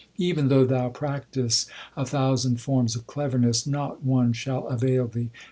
1 Even though thou practise a thousand forms of cleverness, Not one shall avail thee.